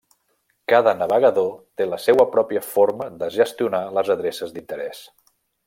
Cada navegador té la seua pròpia forma de gestionar les d'adreces d'interès.